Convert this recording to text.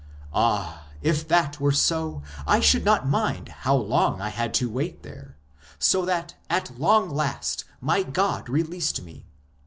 Ah, if that were so, I should not mind how long I had to wait there, so that at long last my God released me.